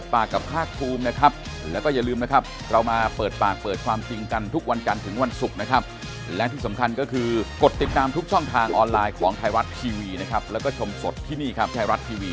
ได้ด้วยได้เป็นนายกเลยจบเลย